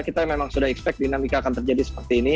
kita memang sudah expect dinamika akan terjadi seperti ini